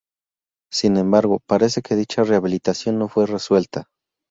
Sin embargo, parece que dicha rehabilitación no fue resuelta.